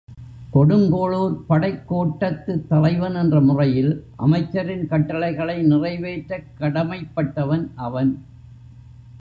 கொடுங்கோளூர்ப் படைக்கோட்டத்துத் தலைவன் என்ற முறையில் அமைச்சரின் கட்டளைகளை நிறைவேற்றக் கடமைப் பட்டவன் அவன்.